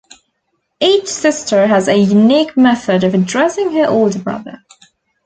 Each sister has a unique method of addressing her older brother.